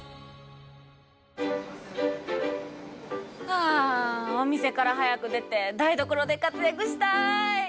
あお店から早く出て台所で活躍したい！